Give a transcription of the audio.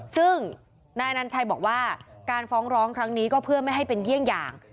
ซึ่งนายอนัญชัยบอกว่าการฟ้องร้องครั้งนี้ก็เพื่อไม่ให้เป็นเยี่ยงอย่าง